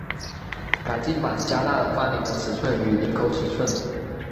改进版加大了翻领的尺寸与领口尺寸。